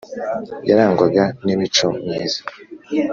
yarangwaga n’imico myiza